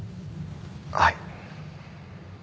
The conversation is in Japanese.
はい。